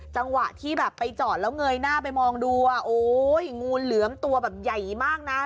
จังหวะที่แบบไปจอดแล้วเงยหน้าไปมองดูอ่ะโอ้ยงูเหลือมตัวแบบใหญ่มากนะ